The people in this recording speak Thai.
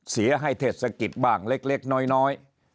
เสียให้เทศกิจบ้างเล็กน้อย